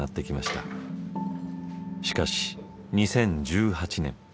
しかし２０１８年